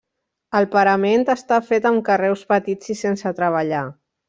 El parament està fet amb carreus petits i sense treballar.